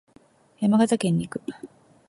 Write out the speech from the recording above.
山形県に行く。